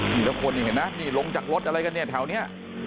นี่แล้วคนเห็นไหมลงจากรถอะไรกันแถวนี้